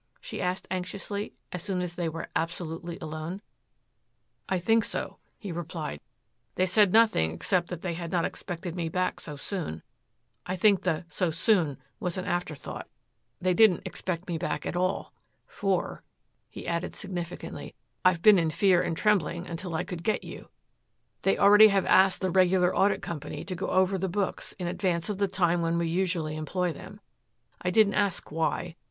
she asked anxiously as soon as they were absolutely alone. "I think so," he replied. "They said nothing except that they had not expected me back so soon, I think the 'so soon' was an afterthought. They didn't expect me back at all. For," he added significantly, "I've been in fear and trembling until I could get you. They already have asked the regular audit company to go over the books in advance of the time when we usually employ them. I didn't ask why.